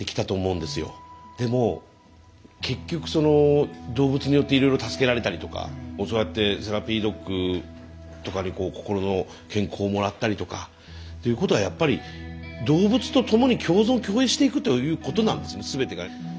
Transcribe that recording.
でも結局その動物によっていろいろ助けられたりとかそうやってセラピードッグとかに心の健康をもらったりとかっていうことはやっぱり動物と共に共存共栄していくということなんですねすべてが。